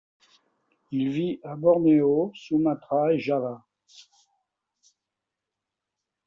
Il vit à Bornéo, Sumatra et Java.